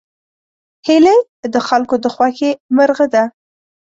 هیلۍ د خلکو د خوښې مرغه ده